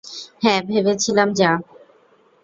হ্যাঁ, ভেবেছিলাম যা।